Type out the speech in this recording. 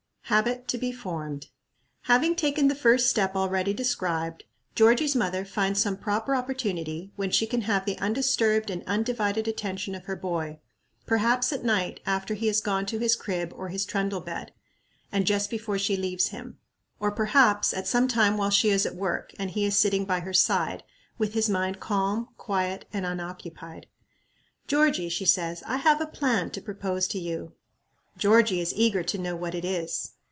Habit to be Formed. Having taken the first step already described, Georgie's mother finds some proper opportunity, when she can have the undisturbed and undivided attention of her boy perhaps at night, after he has gone to his crib or his trundle bed, and just before she leaves him; or, perhaps, at some time while she is at work, and he is sitting by her side, with his mind calm, quiet, and unoccupied. "Georgie," she says, "I have a plan to propose to you." Georgie is eager to know what it is.